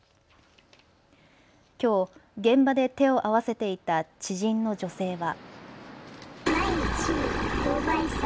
きょう現場で手を合わせていた知人の女性は。